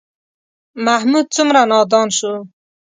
محمود څومره نادان شو.